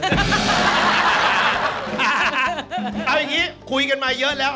เอาอย่างนี้คุยกันมาเยอะแล้ว